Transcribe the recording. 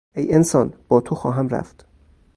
ای انسان با تو خواهم رفت.